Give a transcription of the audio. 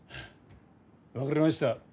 分かりました。